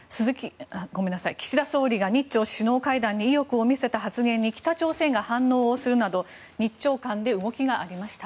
岸田総理が日朝首脳会談に意欲を見せた発言に北朝鮮が反応をするなど日朝間で動きがありました。